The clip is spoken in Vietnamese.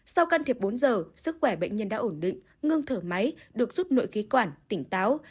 sau can thiệp bốn giờ sức khỏe bệnh nhân đã ổn định ngưng thở máy được rút nội khí quản tỉnh táo